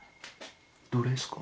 どれですか？